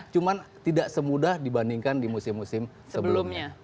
cuman tidak semudah dibandingkan di musim musim sebelumnya